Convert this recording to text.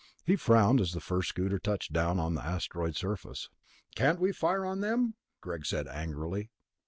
He frowned as the first scooter touched down on the asteroid surface. "Can't we fire on them?" Greg said angrily.